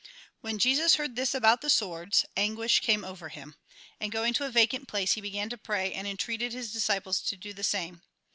When Jesus heard this about the swords, anguish came over him. And going to a vacant place, he began to pray, and entreated his disciples to do the same.